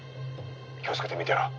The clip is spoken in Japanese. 気を付けて見てろ。